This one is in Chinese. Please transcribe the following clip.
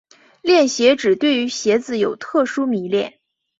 恋鞋指对于鞋子有特殊迷恋。